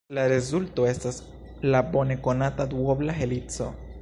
La rezulto estas la bone konata duobla helico.